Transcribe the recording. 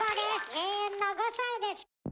永遠の５さいです。